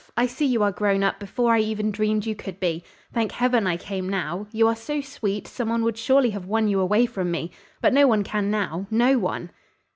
I see you are grown up before I even dreamed you could be. Thank heaven I came now! You are so sweet some one would surely have won you away from me but no one can now no one."